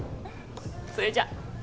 それじゃ。